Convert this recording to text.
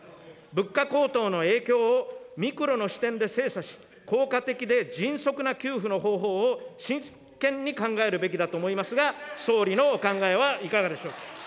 物価高騰の影響をミクロの視点で精査し、効果的で迅速な給付の方法を真剣に考えるべきだと思いますが、総理のお考えはいかがでしょうか。